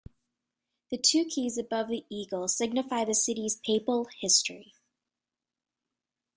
The two keys above the eagle signify the city's papal history.